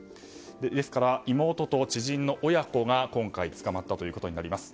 ですから、妹と知人の親子が今回捕まったことになります。